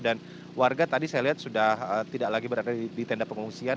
dan warga tadi saya lihat sudah tidak lagi berada di tenda pengungsian